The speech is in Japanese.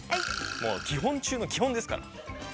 もう基本中の基本ですから。